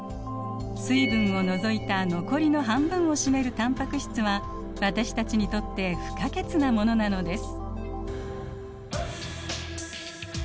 水分を除いた残りの半分を占めるタンパク質は私たちにとって不可欠なものなのです。